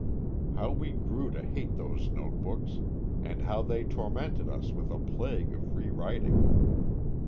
How we grew to hate those notebooks, and how they tormented us with a plague of re writing!